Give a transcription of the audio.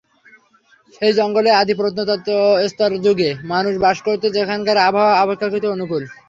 সেই জঙ্গলেই আদি প্রত্নপ্রস্তরযুগে মানুষ বাস করত যেখানকার আবহাওয়া অপেক্ষাকৃত অনুকূল।